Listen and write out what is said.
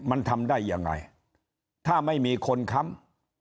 มันทำได้ยังไงถ้าไม่มีคนค้ำ